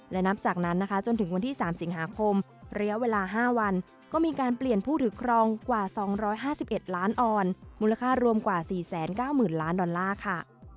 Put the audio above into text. และนับจากนั้นนะคะจนถึงวันที่๓สิงหาคมระยะเวลา๕วันก็มีการเปลี่ยนผู้ถือครองกว่า๒๕๑ล้านออนมูลค่ารวมกว่า๔๙๐๐๐ล้านดอลลาร์ค่ะ